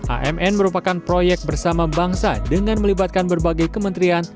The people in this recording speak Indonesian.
amn merupakan proyek bersama bangsa dengan melibatkan berbagai kementerian